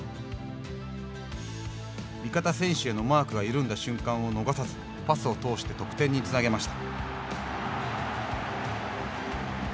味方選手へのマークが緩んだ瞬間を逃さずパスを通して得点につなげました。